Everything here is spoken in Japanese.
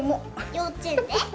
幼稚園で？